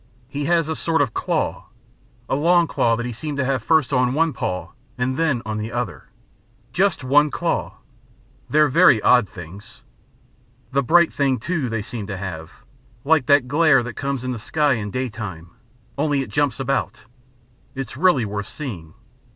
"He has a sort of claw a long claw that he seemed to have first on one paw and then on the other. Just one claw. They're very odd things. The bright thing, too, they seemed to have like that glare that comes in the sky in daytime only it jumps about it's really worth seeing.